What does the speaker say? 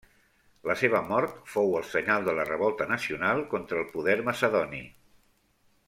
La seva mort fou el senyal de la revolta nacional contra el poder macedoni.